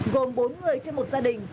gồm bốn người trong một gia đình